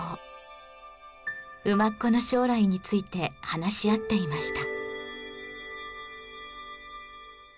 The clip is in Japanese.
馬コの将来について話し合っていました。